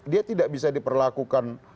dia tidak bisa diperlakukan